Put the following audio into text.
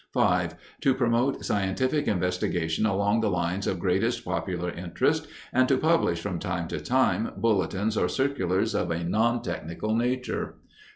5. To promote scientific investigation along the lines of greatest popular interest and to publish from time to time bulletins or circulars of a nontechnical nature.